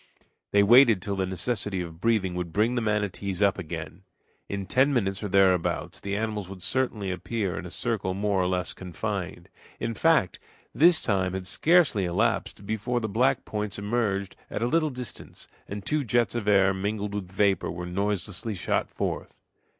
They waited till the necessity of breathing would bring the manatees up again. In ten minutes or thereabouts the animals would certainly appear in a circle more or less confined. In fact, this time had scarcely elapsed before the black points emerged at a little distance, and two jets of air mingled with vapor were noiselessly shot forth.